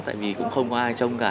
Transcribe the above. tại vì cũng không có ai trông cả